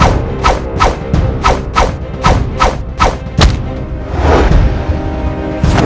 itu saya tidak mau